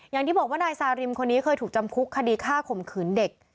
อย่างที่บอกว่านายซาริมคนนี้เคยถูกจำคุกคดีฆ่าข่มขืนเด็ก